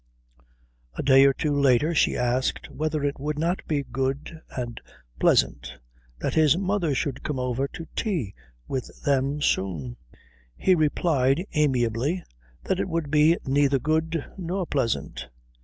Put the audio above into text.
A day or two later she asked whether it would not be good and pleasant that his mother should come over to tea with them soon. He replied amiably that it would be neither good nor pleasant.